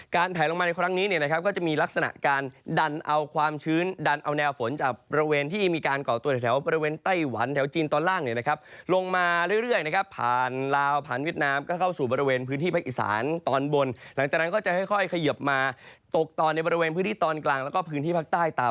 แผลลงมาในครั้งนี้เนี่ยนะครับก็จะมีลักษณะการดันเอาความชื้นดันเอาแนวฝนจากบริเวณที่มีการก่อตัวแถวบริเวณไต้หวันแถวจีนตอนล่างเนี่ยนะครับลงมาเรื่อยนะครับผ่านลาวผ่านเวียดนามก็เข้าสู่บริเวณพื้นที่ภาคอีสานตอนบนหลังจากนั้นก็จะค่อยเขยิบมาตกตอนในบริเวณพื้นที่ตอนกลางแล้วก็พื้นที่ภาคใต้ตาม